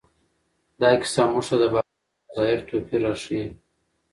دا کیسه موږ ته د باطن او ظاهر توپیر راښيي.